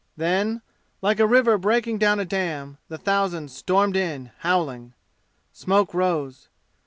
Then, like a river breaking down a dam, the thousands stormed in, howling. Smoke rose.